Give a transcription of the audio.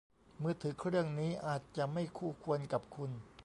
มือถือเครื่องนี้อาจจะไม่คู่ควรกับคุณ